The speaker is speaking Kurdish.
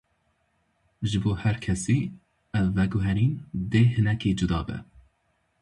Ji bo her kesî, ev veguherîn dê hinekî cuda be.